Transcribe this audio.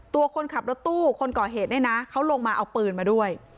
คนขับรถตู้คนก่อเหตุเนี่ยนะเขาลงมาเอาปืนมาด้วย